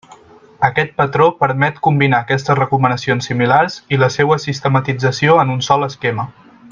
Aquest patró permet combinar aquestes recomanacions similars i la seua sistematització en un sol esquema.